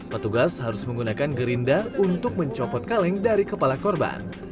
petugas harus menggunakan gerinda untuk mencopot kaleng dari kepala korban